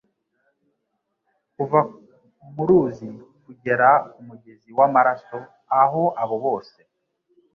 kuva muruzi kugera kumugezi wamaraso aho abo bose